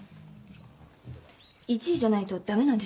「１位じゃないと駄目なんでしょうか？」